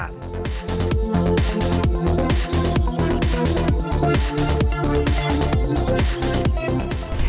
jangan lupa untuk mencoba kereta cepat